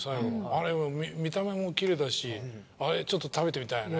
あれ見た目も奇麗だしあれちょっと食べてみたいね。